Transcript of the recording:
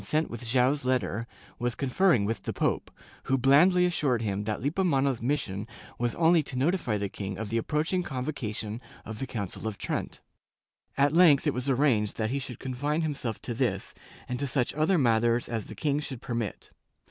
16, 17, 20, 23, 248 JEWS [Book VIII sent with Joao's letter, was conferring with the pope, who blandly assured him that Lippomano's mission was only to notify the king of the approaching convocation of the Council of Trent. At length it was arranged that he should confine himself to this, and to such other matters as the king should permit.